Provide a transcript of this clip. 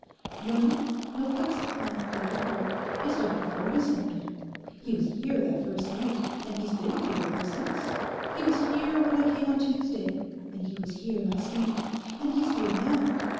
'No knock, no footstep, ma'am, that I've heard. It's Dr Ferguson, ma'am. He was here that first night; and he's been here ever since. He was here when I came on Tuesday; and he was here last night. And he's here now.